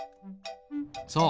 そう！